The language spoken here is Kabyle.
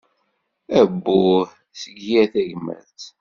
Ahbuh seg yir tagmat.